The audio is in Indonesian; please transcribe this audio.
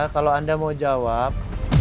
kalau anda mau jawab